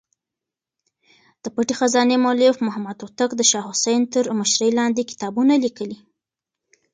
د پټې خزانې مولف محمد هوتک د شاه حسين تر مشرۍ لاندې کتابونه ليکلي.